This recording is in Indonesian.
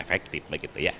efektif begitu ya